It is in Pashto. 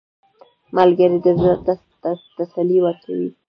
ملګری د زړه ته تسلي ورکوي